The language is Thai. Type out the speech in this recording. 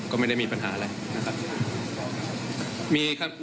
ก็ไม่ได้มีปัญหาอะไรนะครับมีครับ